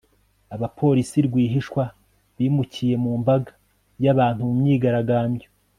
abapolisi rwihishwa bimukiye mu mbaga y'abantu mu myigaragambyo